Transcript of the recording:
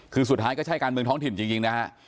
คือสุดท้ายก็ใช่การเมืองท้องถิ่นจริงนะฮะ